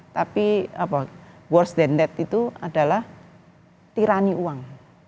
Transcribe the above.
tapi worse than that itu adalah tirani uang